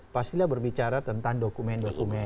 pastilah berbicara tentang dokumen dokumen